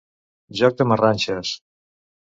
Joc de marranxes.